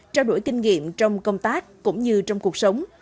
trao đổi kinh nghiệm trong công tác cũng như trong cuộc sống